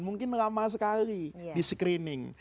mungkin lama sekali di screening